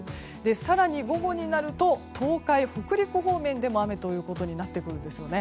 更に、午後になると東海・北陸方面でも雨ということになってくるんですね。